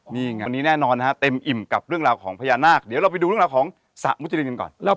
นี่ไงวันนี้แน่นอนนะฮะเต็มอิ่มกับเรื่องราวของพญานาคเดี๋ยวเราไปดูเรื่องราวของสระมุจรินกันก่อน